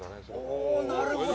おぉ、なるほど。